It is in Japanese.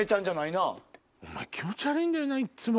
お前気持ち悪いんだよないつも。